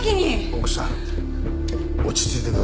奥さん落ち着いてください。